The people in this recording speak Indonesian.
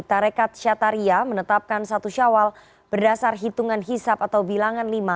tarekat syataria menetapkan satu syawal berdasar hitungan hisap atau bilangan lima